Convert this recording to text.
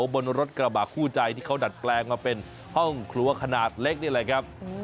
บนรถกระบะคู่ใจที่เขาดัดแปลงมาเป็นห้องครัวขนาดเล็กนี่แหละครับ